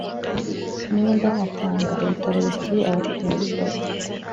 umwenda w amafaranga ibitaro bifitiye abafatanyabikorwa